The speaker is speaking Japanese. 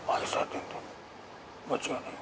間違いないよ。